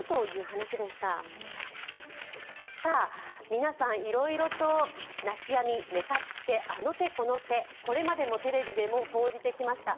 皆さん、いろいろと泣きやみ、寝かしつけあの手この手、これまでもテレビで報じてきました。